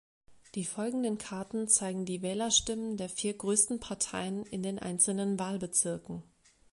Die folgenden Karten zeigen die Wählerstimmen der vier größten Parteien in den einzelnen Wahlbezirken.